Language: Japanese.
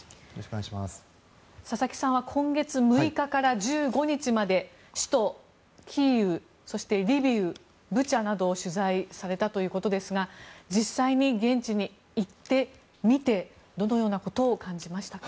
佐々木さんは今月６日から１５日まで首都キーウ、そしてリビウブチャなどを取材されたということですが実際に現地に行って、見てどのようなことを感じましたか。